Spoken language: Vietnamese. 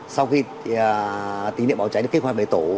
sau khi tỉ niệm bảo cháy được kết hoạt về tổ